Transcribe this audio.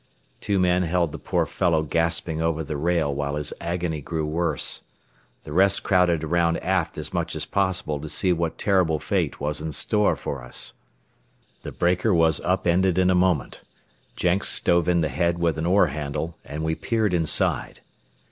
Two men held the poor fellow gasping over the rail while his agony grew worse. The rest crowded around aft as much as possible to see what terrible fate was in store for us. The breaker was upended in a moment. Jenks stove in the head with an oar handle, and we peered inside.